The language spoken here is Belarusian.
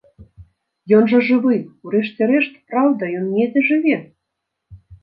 Ён жа жывы, у рэшце рэшт, праўда, ён недзе жыве?